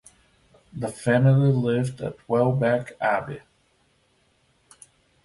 The family lived at Welbeck Abbey.